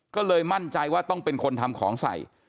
ก็เลยมั่นใจว่าต้องเป็นคนทำของใส่